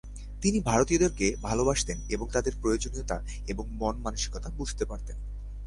তিনি ভারতীয়দেরকে ভালোবাসতেন এবং তাদের প্রয়োজনীয়তা এবং মন মানসিকতা বুঝতে পারতেন।